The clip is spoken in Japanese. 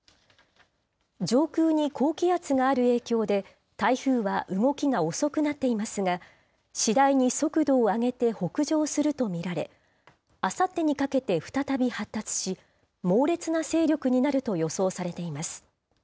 上空に高気圧がある影響で、台風は動きが遅くなっていますが、次第に速度を上げて北上すると見られ、あさってにかけて再び発達し、猛烈な勢力になると予想されています。